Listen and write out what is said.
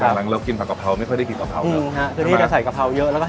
จากหลังเรากินผักกะเพราไม่ค่อยได้กลิ่นกะเพราเลย